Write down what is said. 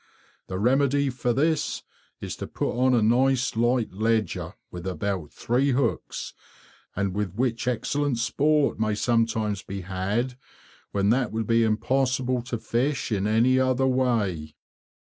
The remedy for this is to put on a nice light ledger, with about three hooks, and with which excellent sport may sometimes be had when it would be impossible to fish in any other way.